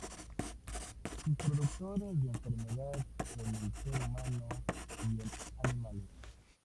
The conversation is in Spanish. Son productores de enfermedad en el ser humano y en animales.